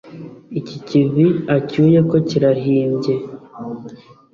iki kivi acyuye ko kirahimbye